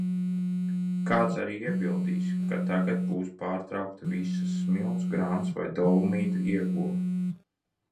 Kāds arī iebildīs, ka tagad būs pārtraukta visa smilts, grants vai dolomīta ieguve.